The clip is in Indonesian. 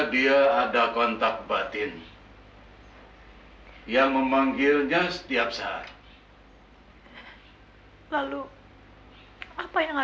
tidak bisa tidur lagi setelahnya